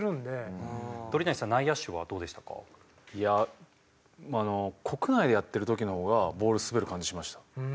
いや国内でやってる時の方がボール滑る感じしました。